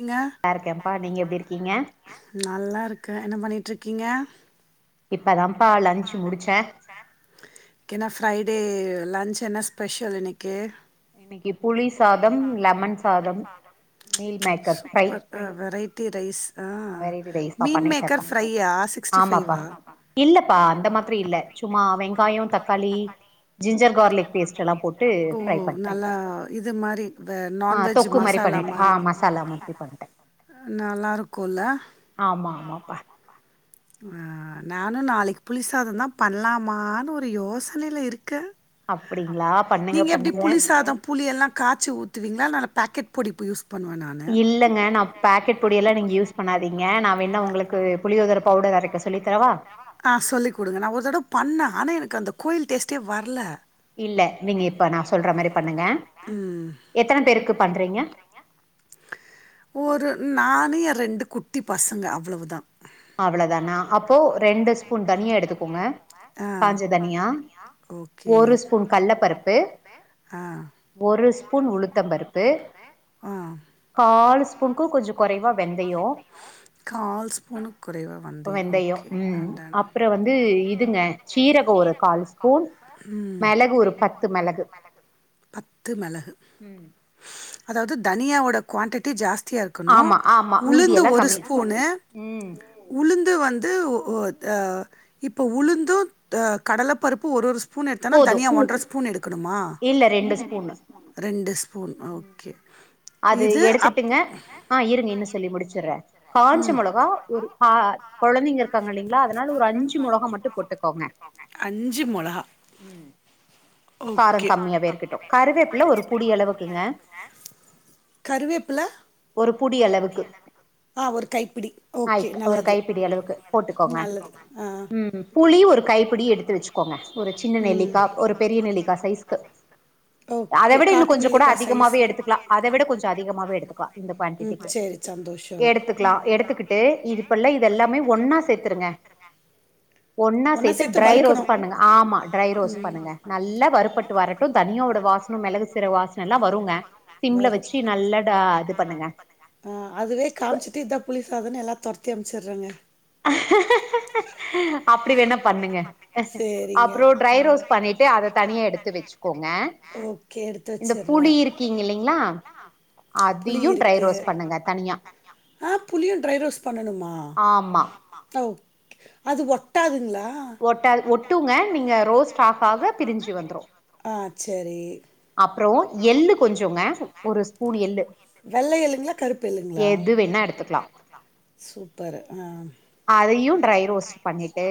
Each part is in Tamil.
எங்க நல்லா இருக்கேன்ப்பா நீங்க எப்டி இருக்கீங்க நல்லா இருக்க என்ன பண்ணிட் ட்ரிக்கிங்க இப்ப தாம்பா லன்ச் முடிச்ச என்ன ஃப்ரைடே லன்ச் என்ன ஸ்பெஷல் இன்னைக்கு இன்னைக்கி புளிஸ் சாதம் லெமன் சாதம் meal maker fry D rice ஆ வெரைவி ரைஸ்தா மீன் பண்ணிடேப்பா மேக்கர் ஃப்ரையா சிக்ஸ்டி ஆமாப்பா ஃபைவா இல்லப்பா அந்த மாதிரி இல்ல சும்மா வெங்காயம் தக்காளி ஜிஞ்சர் கார்லிக் பேஸ்ட் எல்லா போட்டு ஓ ஃப்ரை பண்ட்டே நல்லா இது மாரி வ ஆ நான்வெஜ் தொக்கு மாரி மசாலா பண்ணிட்டே ஆ மாரி மசாலா மாதிரி பண்ட்டே நல்லாருக்கு ஆமா ஆமா பா ஆ நானு நாளைக்கு புளிசாதந்தா பண்லாமான்னு ஒரு யோசனைல இருக்க அப்டிங்களா பண்ணுங்க நீங்க எப்டி பண்ணுங்க புளி சாதோ புளி எல்லா காய்சு ஊத்துவிங்ளா [unintelligible] பாக்கெட் பொடிப்பியூஸ் இல்லங்க நா பாக்கெட் பொடியெல்லா நீங்க யூஸ் பண்ணாதீங்க நா வேண உங்ளுக்கு புளியோதர பவுடர் அரைக்க சொ ஆ் சொல்லி் குடுங்க நா ஒரு தடவ பண்ண ஆனா எனக் கு அந்த கோயில் டேஸ்ட்டே வர்ல இல்ல நீங்க இப்ப நா சொல்ற மாரி பண்ணுங்க ம் எத்தன பேருக்கு பண்றிங்க ஒரு நானு எ ரெண்டு குட்டி பசங்க அவ்வளவுதா அவ்ளதானா அப்போ ரெண்டு ஸ்பூன் தனியா எடுத் கோங்க ஆ காஞ்ச தனியா ஓகே ஒரு ஸ்பூன் கல்ல பருப்பு ஆ ஒரு ஸ்பூன் ஸ்பூன் உளுத்தம் பருப்பு ஆ கால் புக்கு கொஞ்சோ கொறைவாக வெந்தயோ கால் ஸ்பூனுக்கு குறைவா வந்தயம் வெந்தயம் ஓகே உம் அண்ட் டன் அப்றோ வந்து இதுங்க சீரகோ ஒரு கால் ஸ் பூன் ம் மெளகு ஒரு பத்து மெளகு மிளகு. ம் அதாவது தனியாவோட குவான்டிட்டி ஜாஸ்தி இருக்கனு ஆமா ஆமா மீதி உளுந்து எல்லா ஒரு கம்மி ஸ்பூனு ம் உளுந்து வந்து இப்ப உளுந்து கடல பருப்பு ஒரு ஒரு எடுத்தா போது தனியா ஒன்ற ஸ்பூன் எடுக்கணுமா ரெண்டு இல்ல ஸ்பூனு ரெண்டு ஸ்பூனு அது எடுத்துட்டுங்க ஆ இருங்க இன சொல்லி முடிச்சுடுறே காஞ்ச ம். மொளகா ஒரு ஆ கொழந்தைங்க இருக்காங்க இல்லைங்ளா அதனால ஒரு அஞ்சு மொளகா மட்டு போட்டுக்கோங்க மொளகா. உம் காரோ ஓகே. கம்மியாவே இருக்கட்டு கருவேப்பில ஒரு புடி அளவுக்குங்க கருவேப்பில ஒரு புடி அளவுக்கு ஆ ஒரு கைப்பிடி ஆய ஓகே ஒரு நல்லது கைப்பிடி அளவுக்கு போட்டுக்கோங்க நல்லது ஆ உம் புளி ஒரு கைப்பிடி எடுத்து வச்சுக்கோங்க ஒரு சின்ன நெல்லிக்கா ஒரு பெரிய நெல்லிக்கா சைஸ்கு அத ஓகே விட இன்னு காட்டு கொஞ்சோ கூட நெல்லிக்கா அதிகமாக சைஸ்க்கு எடுத்துக்கலா அத விட இன்னு கொஞ்சோ அதிக அதிகமாவே எடுத்துக்கலா இந்த ம் குவான்டடிக்கு சேரி சந்தோஷோ எடுத்துக்கலா எடுத்துக்கிட்டு இதுப்பல்ல இது எல்லாமே ஒன்னா சேத்துருங்க ஒன்னா சேத்து ட்ரை ரோஸ்ட் பண்ணுங்க ஆமா ரோஸ்ட் ம் பண்ணுங்க நல்லா வருறுப்பட்டு வரட்டு தனியாவோட வாசனம் மிளகு சீரக வாசன எல்லா வருங்க சிம்ல வரு வச்சு நல்லாட இது பண்ணுங்க அத எல்லா தொரத்தி அமைச்சிருறேங்க அஹாஹாஹா அப்டி வேணா பண்ணுங்க சேரிங்க அப்றோ ட்ரை ஆ ரோஸ் பண்ணிட்டு அத தனியா எடுத்து வச்சுக்கோங்க ஓகே எடுத்து இந்த வச்சிட்றே புளி இருக்கீங்க இல்லங்ளா புளி அதையு ட்ரை இருக்கு ரோஸ்ட் பண்ணுங்க தனியா ஆ புளியு ட்ரை ரோஸ்ட் பண்ணணுமா ஆமா ஓ அது ஓ கட்டாதுங்களா ஒட்டாது ஒட்டுங்க நீங்க ரோஸ் ஆ சேரி அப்புறோ எள்ளு கொஞ்சோங்க ஒரு ஸ்பூன் எல் எள்ளு வெள்ள எள்ளுங்களா கருப்பு எள்ளுங்களா எது வேணா எடுத்துக்கலா சூப்பரு ஆ அதையு ட்ரை ரோஸ்ட் பண்ணிட்டு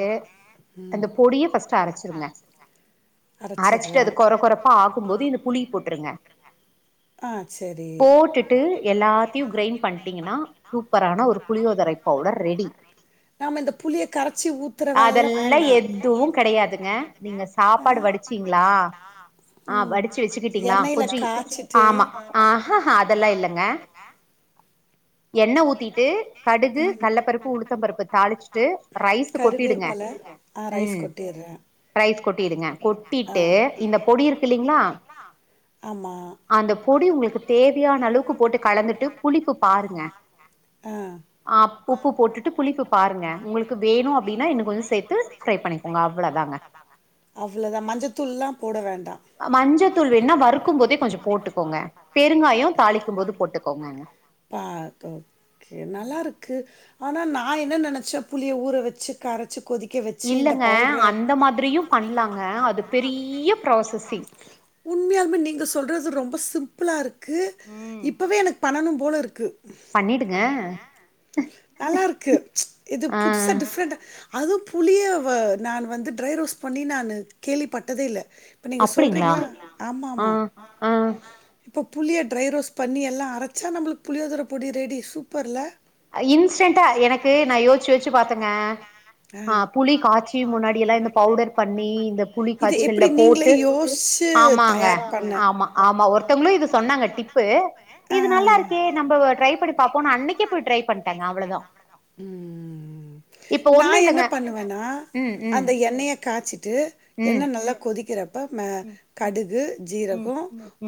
ம் அந்த பொடிய ஃபஸ்ட்டு அரச்சுருங்க அரச்சுட்டு அரைச்சர்றே அது கொற கொறப்பா ஆக் க்கும் போது இந்த புளி போட்டுருங்க ஆ சரி போட்டுட்டு எல்லாத்தையு கிரைண்ட் பண்டீங்கன்னா சூப்பரான ஒரு புளியோதரை பவுடர் ரெடி நாம இந்த புளிய கரைச்சி ஊத்துற வேலல்லா அதெல் எல்லா வேண்டா எதுவும் கொடையாதுங்க நீங்க ஆ சாப்பாடு வடிச்சீங்களா ஆ ம் வடுச்சு வெச்சுக்கிட்டீங்களா எண்ணெயில கொஞ்சியி காய்ச்சிட்டு ஆமா ஆஹா ஹா அதெல்லா இல்லங்க எண்ண ஊத்திட்டு கடுகு கள்ளப்பருப்பு உளுத்தம் பருப்பு தாளிச்சுட்டு ரைஸு கொட்டிடுங்க கருவேப்பல ஆ ரைஸ் ம் கொட்டிர்றே ரைஸ் கொட்டிருங்க கொட்டிட்டு இந்த பொடி இருக் இல்லீங்களா ஆமா அந்த பொடி உங்களுக்கு தேவையான அளவுக்கு போட்டு கலந்துட்டு புளிப்பு பாருங்க ஆ ஆப் உப்பு போட்டுட்டு புளிப்பு பாருங்க உங்களுக்கு வேணு அப்டின்னா இன்னு கொஞ்சோ சேத்து ஃப்ரை பண்ணிக்கோங்க அவ்வளோதாங்க அவ்ளோதா மஞ்சத்தூள்லா போட வேண்டா மஞ்சத்தூள் வேன்னா வறுக்கும் போதே கொஞ்சோ போட்டுக்கோங்க பெருங்காயோ தாளிக்கும் போது போட்டுக்கோங்கங்க பா [unintelligible] ஓகே நல்லா ம். இருக்கு ஆனா நா என்ன நெனச்ச புளிய ஊர வெச்சு கரச்சு கொதிக்க வச்சு இந்த இல்லங்க பவுட்ர அந்த மாதிரியு பண்லாங்க அதுப் பெரியப் உண்மையாலுமே நீங்க சொல்றது ரொம் ம்ப சிம்புளா இருக் கு ம் இப்பவே எனக்கு பண்ணனும் போல இருக்கு பண்ணிடுங்க நல்லா இருக்கு இது ஆ புதுசா டிஃப்ரெண்டா அது புளிய வ நானு வந்து ட்ரை ரோஸ்ட் பண்ணி நானு கேள்விப்பட்டதே இல்ல இப்ப நீங்க அப்டிங்களா சொல்றீங்ளா ஆ ஆமாமா ஆ ப்ப புளிய ட்ரை ரோஸ் பண்ணி எல்லா அரச்சா நம்மளுக் புளியோதர பொடி ரெடி சூப்பர்ல்ல இன்ஸ்டன்டா எனக்கு நா யோச்சு யோச்சு பாத்தங்க ஆ புளி காச்சி முன்னாடி எல்லா இந்த பவுடர் பண்ணி இந்த புளி இது எப்டி காய்ச்சல்ல போ நீங்களே யோசிச்சு ஆமாங்க தயார் பண்ண ஆமா ஆமா ஒருத்தங்ளு இது சொன்னாங்க டிப்பு ஆ இது நல்லாருக்கே நம்ப ட்ரை பண்ணி பாப்போனு அன்னைக்கே போய் ட்ரை பண்ட்டேங்க அவ்ளோதா இப்ப நா ஒண்ணு என்ன இல்லங்க பண்ணுவேனா ம் ம் அந்த எண்ணெய காச்சிட்டு ம் எண்ண நல்ல கொதிக்கிற ப்ப ம கடுகு ம் ஜீரகொ,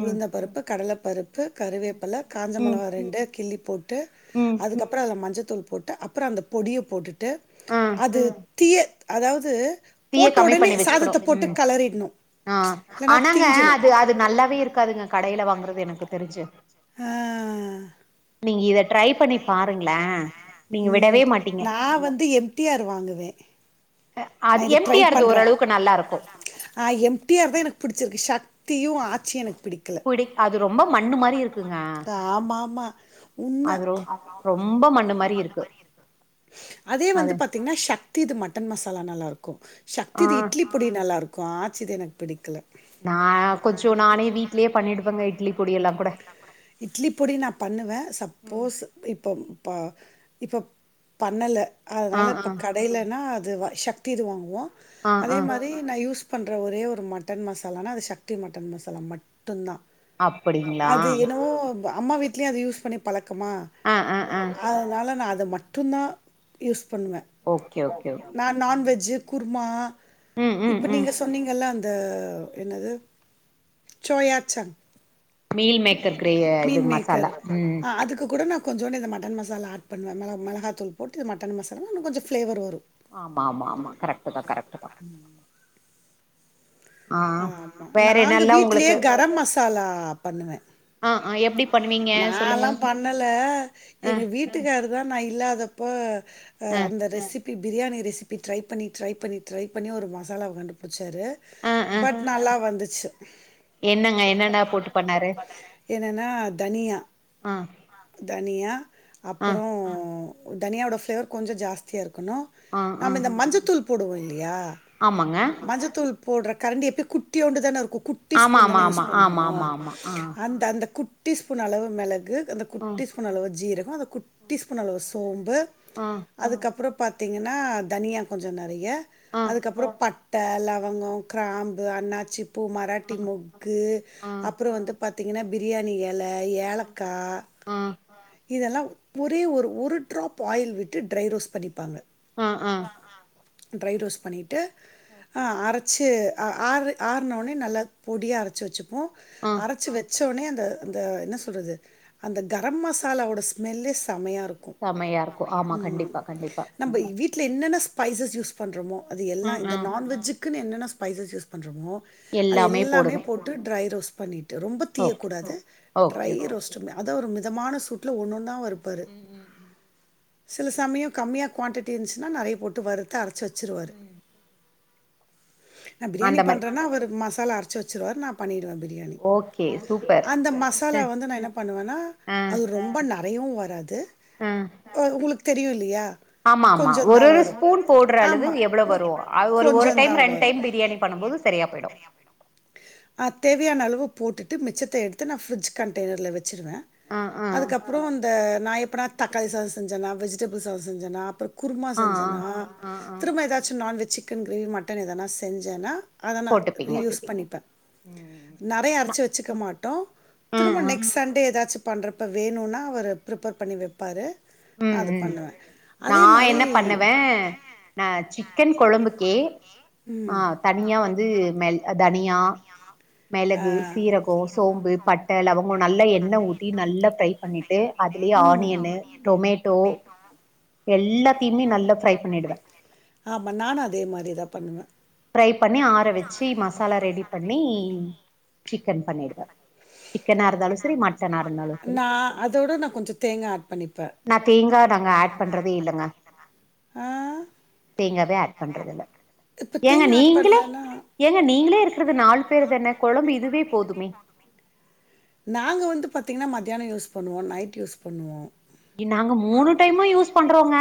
ம் ம் உளுந்த பருப்பு, கடல பருப் பு, கருவேப்பில, ம் காஞ்சமொளகா ரெண்டு கிள்ளி ட்டு ம் ம் அதுக்கப்றொ அதுல மஞ்ச தூள் போட்டு அப்புற அந்த பொடிய போட்டுட் டு ஆ அது தீய அதாவுது தீய போட்ட கம்மி ஒடனே பண்ணி வச்சுக்கணு சாதத்த போட்டு ம் களறிட்னு ஆ ஆனாங்க அது அது நல்லாவே இருக்காதுங்க கடைல வாங்குறது எனக்கு தெரிஞ்சு [inaudible] ஆ நீங்க இத ட்ரை பண்ணி பாருங்ளே ம் நா வந்து எம் டி ஆர் வாங்குவே நா அது இது ட்ரை எம்டியாருது பண்றே ஓரளவுக்கு நல்லா இருக்கு ஆ எம் டி ஆர் தா எனக்கு புடிச்சிருக்கு ஷக் தியு ஆச்சி எனக் பிடிக்கல புடி அது ரொம்ப மண்ணு மாரி இருக்குங்க ஆமாமா உண்ம அது ரொ ரொம்ப மண்ணு மாரி இருக்கு அதே வந்து அது பாத்திங்னா ஷக்திது மட்டன் ம சாலா நல்லாருக்கு ஷக்திது ஆ இட்லி பொடி நல் லாருக்கு ஆச்சிது எனக் பிடிக்கல நா கொஞ்சொ நானே வீட்லயே பண்ணிடுப்பேங்க இட்லி பொடி எல்லா கூட இட்லி பொடி நா பண்ணுவே சப்போஸ் இப்ப ம் ப இப்ப பண்ணல ஆ அதுனால இப்ப ஆ கடைலனா இது வா சக்தி இது வாங்குவோ ஆ அதே ஆ மாரி நா யூஸ் பண்ற ஒரே ஒரு மட்டன் மசாலானா அது சக்தி மட்டன் மசாலா மட் அப்படிங்களா ப்பவு த அம்மா வீட்லயு அது யூஸ் பண்ணி பழக் கமா ஆ ஆ ஆ அதனால நா அ த மட்டு்ந்தா யூஸ் பண்ணுவே ஓகே ஓகே ஓகே நா நான்வெஜ்ஜு குர்மா ம் ம் இப்ப ம் நீங்க சொன்னீங்கல்ல அந் இந்த என்னது soya chunk meal maker gravy இது மசாலா ம் ம் ஆ அதுக்கு கூட நான் கொஞ்சோண்டு இந்த மட்டன் மசாலா ஆட் பண்ணுவே மெள மெளகாத்தூள் போட்டு இது மட்டன் மசாலான்னா இன்னு கொஞ்ச ஃப்ளேவர் வரு ஆமா ஆமா ஆமா கரெக்ட்டுதா கரெக்ட்டுதா ஆமா வேற நாங்க என்னல்லா வீட்லயே உங்களுக்கு கரம் மசாலா பண்ணுவே ஆ ஆ எப்டி பண்ணுவீங்க நால்லா சொல்லுங்க பண்ணல ஆ எங்க வீட்டுக்கார்ருதா நா இல்லாதப்போ அந்த ஆ recipe biryani recipe try பண்ணி ட்ரை பண்ணி ட்ரை பண்ணி ஒரு மசாலாவ கண்டுபுடிச்சாரு ஆ ஆ பட் நல்லா வந்து ச்சு என்னங்க என்னென்ன போட்டு பண்ணாரு என்னன்னா தனியா ஆ தனியா ஆ அப்புறோ அ தனியாவோட ஃப்ளேவர் கொஞ்ச ஜாஸ்தியா இருக் கணு ஆ ஆ நம்ம இந்த மஞ்சத்தூள் போடுவோ இல்லயா ஆமாங்க மஞ்சத்தூள் போடற கரண்டி எப்பயு குட்டியோண்டுதான இருக்கு குட்டி ஆமா ஆமா ஸ்பூன்தான யூஸ் ஆமா ஆமா பண்ணுவோ ஆமா ஆமா ஆ அந்த அந்த குட் டி ஸ்பூன் அளவு மெளகு அந்த ஆ குட்டி ஸ்பூன் அளவு ஜீர கோ அந்த குட்டி ஸ்பூன் அளவு சோம் பு ஆ அதுக்கப்புறோ பாத்தீங்கன்னா தனியா கொஞ்ச நெ றைய ஆ அதுக்கப்புறோ பட் ட லவங்கம் கிராம்பு அண்ணாச்சி பூ மராட்டி ஆ முக்கு ஆ அப்புறம் வந்து பாத்தீங்கன்னா பிரியாணிய ல ஆ ஏலக்காய் இதெல்லாம் ஒரே ஒரு ஒரு ட்ராப் ஆயில் விட்டு ட்ரை ரோஸ்ட் பண்ணிப்பாங்க ஆ ஆ ட்ரை ரோஸ்ட் பண்ணிட்டு ஆ ஓகே அரச்சு ஆறு ஆறுன உடனே நல்லா பொடியா அரைச்சு வச்சு கனும் ஆ அரைச்சு வச் சோடனே அந்த அந்த என்ன சொல்றது அந்த கரம் மசாலாவோட ஸ்மெல்லே செமையா க்கும் செமையா இருக்கு ஆமா கண்டிப்பா கண்டிப்பா நம்ம ம் வீட்டுல என்னென்ன ஸ்பைசஸ் யூஸ் பண்ணறமோ அது ம் எல்லாம் இந்த ம் நான்வெஜு இக்குன்னு என்னென்ன ஸ்பைசஸ் யூஸ் பண்ணறோமோ அது எல்லாமே போட்டு ட்ரை ரோஸ் பண்ணிரு ரொம்ப ஓகே தீயக்கூடாது ஓகே ட்ரை ஓகே ரோஸ்ட அத ஒரு இதமான சூட்ல ஒன்ன ஒன்னா வறு ம் ம் ம் சில சமயம் கம்மியா குவான்டிட்டி இருந்துச்சுன்னா நறைய போட்டு வருத்து அர ச்சி வச்சுருவாரரு ம் நான் பிரியாணி அந்த மாரி பண்றேன்னா அவரு ம சாலா அரைச்சு வச்சருவாரு நான் பண்ணிடுவேன் பிரியாணி ஓகே சூப்பர் அந்த மசாலா ம், வந்து நான் என்ன பண்ணுவேன்னா ஆ அது ரொம்ப ந எதவும் வராது ஆ உங்களுக் திரியும் இல்லையா ஆமா ஆமா கொஞ்சந்தா ஒரு ஒரு வரு ஸ்பூன் போடுற அளவு ஆமா எவ்வளோ வரும் ஒரு கொஞ்சந்தா டைம் வரு ரெண்டு டைம் பிரியாணி பண்ணும் போது சரியா போயிடு ஆ தேவையான அளவு போட்டுட்டு மிச்சத்த எடுத்து நா ஃபிரிட்ஜ் கண்டெய்னர்ல வெச் சிருவே ஆ ஆ அதுக்கப்புறோ அந்த நா எப்பனா தக்காளி சாதோ செஞ்சனா வெஜிடபிள் சாதோ செஞ்சனா அப்பறோ குருமா ஆ ஆ செஞ்சனா ஆ ஆ திரும்ப எதாச்சு நான்வெஜ் சிக்கன் கிரேவி மட்டன் எதனா செஞ்சனா அத நா ரீ போட்டுப்பீங்க யூஸ் பண்ணிப்பே ம் நெறைய நா அரைச்சு வச்சுக்க மாட்டோ ம் திரும்ப ம் நெக்ஸ்ட் சண்டே எதாச்சு பண்றப்ப வேணுன்னா அவரு பிரிப்பேர் பண்ணி வப்பாரு ம் ம் நா மாரி என்ன பண்ணுவே நான் சி க்கன் கொழம்புக்கே ஆ ம் தனியா வந்து மெள் ஆ தனியா, ஆ மெளகு, வேற சீரகோ, சோம்பு, பட்ட, லவங்கோ நல்லா எண்ணெ ஊத்தி நல்லா டை பண்ணி ட்டு அதுலயே ஆனியனு டொமேட்டோ எல்லாத்தையுமே நல்லா ஃப்ரை பண்ணிடுவே ஆமா நானு அதே மாரிதா பண்ணுவே ஃப்ரை பண்ணி ஆற வச்சு மசாலா ஆ ரெடி பண்ணி சிக்கன் பண்ணிடுவே சிக்கனா இருந்தாலு சரி மட்டனா இருந்தாலு சரி நா அதோட நா கொஞ்சோ தேங்கா ஆட் பண்ணிப்பே நா தேங்கா நாங்க ஆட் பண்றதே இல்லங்க ஆ தேங்காவே ஆட் பண்றது இல்ல இப்ப ஏங்க தேங்கா ஆட் நீங்களே பண்லன்னா ஏங்க நீங்களே இருக்கறது நாலு பேருதான கொழம்பு இதுவே போதுமே நாங்க வந்து பாத்தீங்கன்னா மத்தியானோ யூஸ் பண்ணுவோ நைட் யூஸ் பண்ணுவோ இ நாங்க மூணு டைமு யூஸ் பண்றோங்க.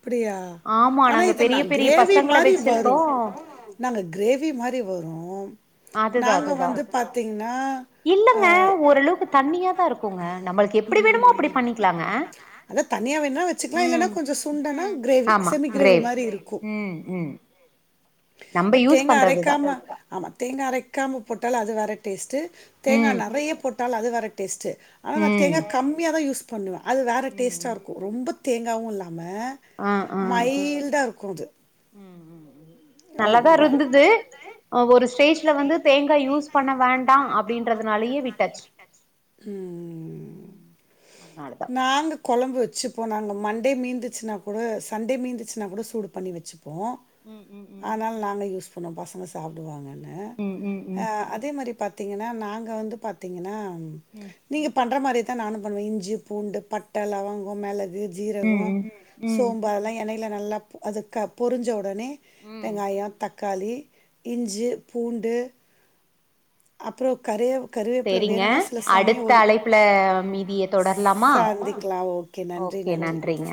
அப்பிடியா ஆமா ஆனா நாங்க இது ந பெரிய பெரிய கிரேவி பசங்கள மாரி வரு வெச்சிருக்கோ நாங்க கிரேவி மாரி வரு அதுதா நாங்க அதுதா வந்து பாத்தீங்கன்னா ஆ இல்லங்க ஓரளவுக்கு தண்ணியாதா இருக்குங்க. நம்மளுக்கு எப்பிடி வேணுமோ அப்பிடி பண்ணிக்கலாங்க அதா தனியா வேணா வச்சுக்கலா ம் இல்லன்னா கொஞ்சோ சுண்டனா ம் கிரேவி ஆமா செமி கிரேவி ம் ம் நம்ம இப்ப யூஸ் தேங்கா பண்றதுதா அரைக்காம ஆமா தேங்கா அரைக்காம போட்டாலு அது வேற டேஸ்ட்டு தேங்கா ம் நெறைய போட்டாலு அது வே ற டேஸ்ட்டு ஆனா நா ம் தேங்கா கம்மியாதா யூஸ் பண்ணுவ அது வேற டேஸ்ட்டா ம் இருக்கு ரொம்பத் தேங்காவுல்லா நம்ம ஆ மைல்டா இருக்கு அது ம் ம் ம் நல்லாதா இருந்தது ஒரு ஸ்டேஜ்ல வந்து தேங்காய் யூஸ் பண்ண வேண்டா அப்டின்றதுனாலயே விட்டாச்சு ம். ம் அதனாலதா கொழம்பு வெச்சுப்போ நாங்க மண்டே மீந்துச்சுன்னா கூட சண்டே மீந்துச்சுன்னா கூட சூடு பண்ணி வெச்சுப் போ ம் ம் ம் அதனால நாங்க யூஸ் இப்ப நம் பசங்க சாப்புடுவாங்க னு ம் ம் ம் அ அதே மாரி பாத் பாத்தீங்கன்னா நாங்க வந்து பாத்தீங்கன்னா ம் நீங்க பண்ற மாரியே தா நானு பண்ணுவ இஞ்சி பூண்டு பட்ட லவங்கோ மெளக் கு ஜீரகோ ம் ம் ம் சோம்பு அதெல்லா எண்ணெய் யில நல்லாப் அது கப் பொருஞ்ச ஒட் ஒடனே ம் வெங்காயோ தக் தக்காளி இஞ்சு பூண்டு அப்புறோ கரையேவ் சேரிங்க அடுத்த அழைப்புல மீதிய தொடர்லாமா சந்திக்கலாம் ஓகே நன்றி ஓகே நன்றி நன்றிங்க